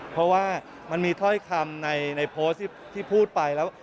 เพราะว่ามันมีถ้อยคำในโพสต์ที่พูดไปแล้ว